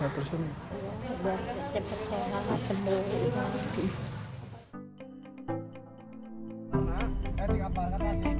udah cepet cepet saya nggak cemburan